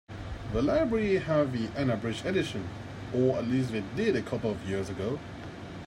The library have the unabridged edition, or at least they did a couple of years ago.